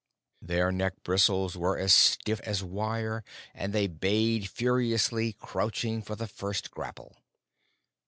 Their neck bristles were as stiff as wire, and they bayed furiously, crouching for the first grapple.